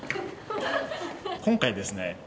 今回ですね